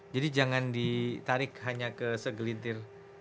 jadi jangan ditarik hanya ke segelintir